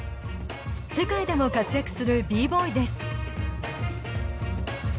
世界でも活躍するＢ−Ｂｏｙです。